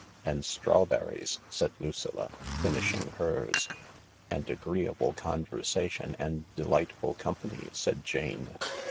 And strawberries," said Lucilla, finishing hers. "And agreeable conversation and delightful company," said Jane.